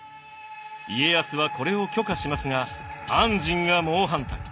家康はこれを許可しますが安針が猛反対。